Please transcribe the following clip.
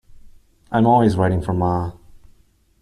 I'm always writing for Ma.